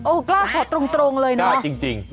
โอ้โฮกล้าขอตรงเลยนะจริง